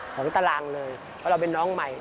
ตารางเลยเพราะเราเป็นน้องใหม่